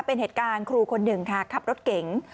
เป็นเหตุการณ์ครูคนหนึ่งค่ะขับรถเก๋ง